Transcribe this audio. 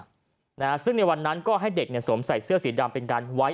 นะฮะซึ่งในวันนั้นก็ให้เด็กเนี่ยสวมใส่เสื้อสีดำเป็นการไว้